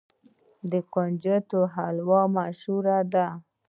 د کنجدو حلوه مشهوره ده.